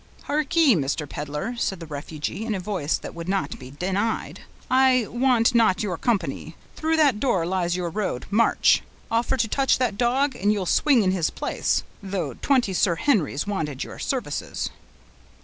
"Harkee, Mr. Peddler," said the refugee, in a voice that would not be denied, "I want not your company. Through that door lies your road—march! offer to touch that dog, and you'll swing in his place, though twenty Sir Henrys wanted your services."